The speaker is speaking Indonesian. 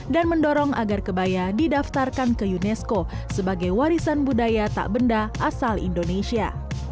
mendorong agar kebaya didaftarkan ke unesco sebagai warisan budaya tak benda asal indonesia